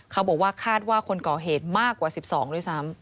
เขาบอกว่าคาดว่าคนก่อเหตุมากกว่า๑๒ด้วยซ้ำ